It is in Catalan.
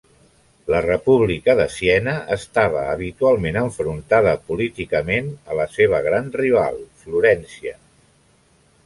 La República de Siena estava habitualment enfrontada políticament a la seva gran rival, Florència.